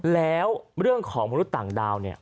แล้วเรื่องของมนุษย์ต่างดาวเนี่ย